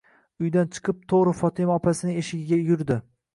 Uydan chiqib to'g'ri Fotima opasining eshigiga yurdi.